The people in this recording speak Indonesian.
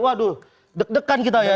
waduh deg degan kita ya